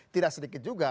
tidak sedikit juga